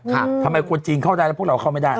ทำไมคนจีนเข้าได้แล้วพวกเราเข้าไม่ได้